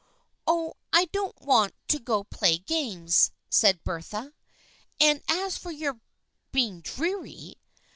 " Oh, I don't want to go play games," said Bertha. " And as for your being dreary